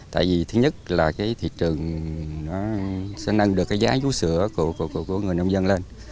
tại vì thứ nhất là cái thị trường nó sẽ nâng được cái giá vú sữa của người nông dân lên